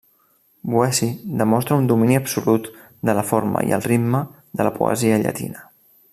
Boeci demostra un domini absolut de la forma i el ritme de la poesia llatina.